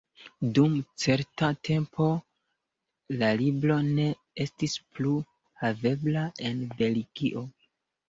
Dum certa tempo la libro ne estis plu havebla en Belgio.